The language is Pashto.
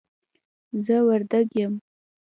زه وردګ یم